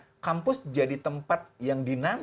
sehingga kampus jadi tempat yang lebih berkelanjutan